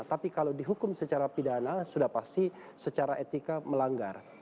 tapi kalau dihukum secara pidana sudah pasti secara etika melanggar